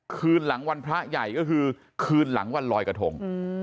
คืนหลังวันพระใหญ่ก็คือคืนหลังวันลอยกระทง